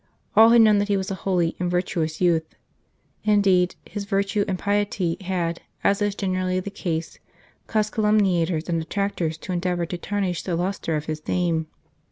All had known that he was a holy and virtuous youth ; indeed, his virtue and piety had, as is generally the case, caused calumniators and detractors to endeavour to tarnish the lustre of his name.